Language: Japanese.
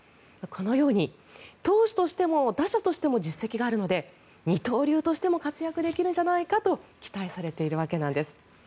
このように投手としても打者としても実績があるので二刀流としても活躍できるんじゃないかと期待されているわけなんです。